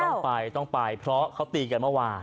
ต้องไปต้องไปเพราะเขาตีกันเมื่อวาน